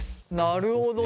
なるほどね。